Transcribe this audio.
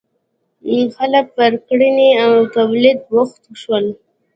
• خلک پر کرنې او تولید بوخت شول.